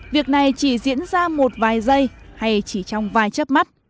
việc này chỉ diễn ra một vài giây hay chỉ trong vài chấp mắt